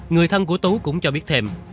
người thân của tú cũng cho biết thêm